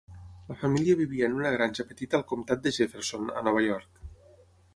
La família vivia en una granja petita al Comtat de Jefferson, a Nova York.